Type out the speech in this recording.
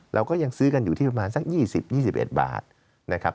เราก็ยังซื้อกันอยู่ที่ประมาณสัก๒๐๒๑บาทนะครับ